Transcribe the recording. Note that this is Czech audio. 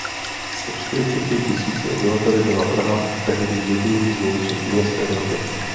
Se čtyřiceti tisíci obyvateli byla Praha tehdy jedním z největších měst Evropy.